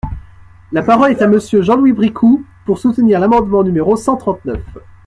La parole est à Monsieur Jean-Louis Bricout, pour soutenir l’amendement numéro cent trente-neuf.